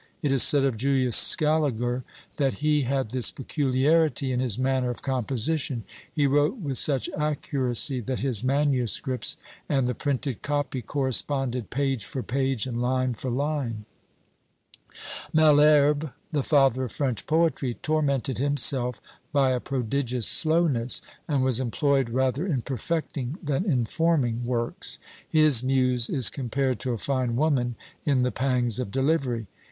It is said of Julius Scaliger, that he had this peculiarity in his manner of composition: he wrote with such accuracy that his MSS. and the printed copy corresponded page for page, and line for line. Malherbe, the father of French poetry, tormented himself by a prodigious slowness; and was employed rather in perfecting than in forming works. His muse is compared to a fine woman in the pangs of delivery.